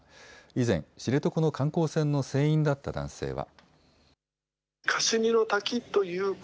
以前、知床の観光船の船員だった男性は。